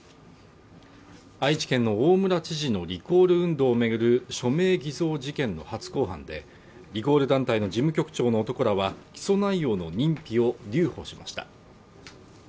愛知県の大村知事のリコール運動をめぐる署名偽装事件の初公判でリコール団体の事務局長の男らは起訴内容の認否を留保しました。